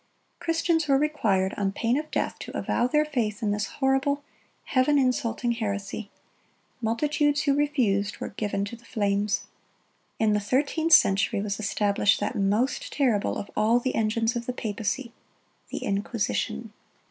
Christians were required, on pain of death, to avow their faith in this horrible, Heaven insulting heresy. Multitudes who refused were given to the flames.(95) In the thirteenth century was established that most terrible of all the engines of the papacy,—the Inquisition.